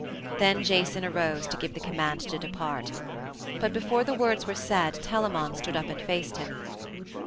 Then Jason arose to give the command to depart. But before the words were said Telamon stood up and faced him.